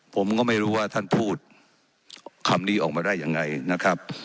ผมก็ไม่รู้ว่าท่านพูดคำนี้ออกมาได้ยังไงนะครับ